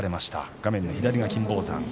画面の左が金峰山です。